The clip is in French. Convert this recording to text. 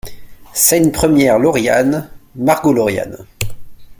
Scène première Lauriane, Margot Lauriane.